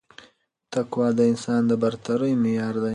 تقوا د انسان د برترۍ معیار دی